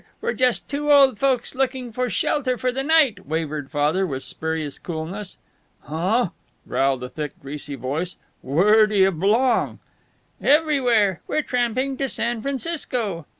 We're just two old folks looking for shelter for the night," wavered Father, with spurious coolness. "Huh?" growled a thick, greasy voice. "Where d'yuh belong?" "Everywhere. We're tramping to San Francisco."